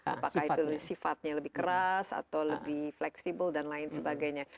apakah itu sifatnya lebih keras atau lebih fleksibel dan lain sebagainya